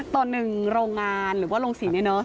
ตอนหนึ่งโรงงานหรือว่าโรงศรีเนี่ยเนอะ